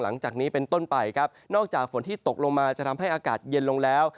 หลังจากนี้เป็นต้นไปครับนอกจากฝนที่ตกลงมาจะทำให้อากาศเย็นลงแล้ว